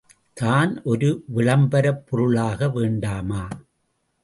தான் ஒரு விளம்பரப்பொருளாக வேண்டாமா?